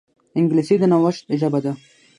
انګلیسي د نوښت ژبه ده